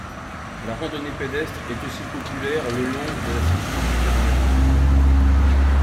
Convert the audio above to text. La randonnée pédestre est aussi populaire le long de la section supérieure.